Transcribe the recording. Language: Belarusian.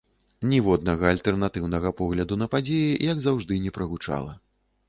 Ніводнага альтэрнатыўнага погляду на падзеі, як заўжды, не прагучала.